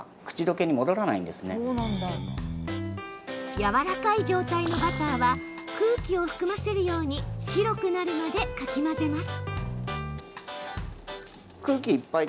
やわらかい状態のバターは空気を含ませるように白くなるまでかき混ぜます。